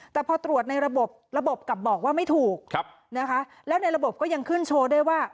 แต่พอตรวจในระบบระบบกลับบอกว่าไม่ถูกนะคะแล้วในระบบก็ยังขึ้นโชว์ด้วยว่า